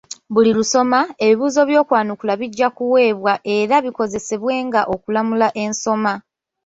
Buli lusoma, ebibuuzo by'okwanukula bijja kuweebwa era bikozesebwe nga okulamula ensoma.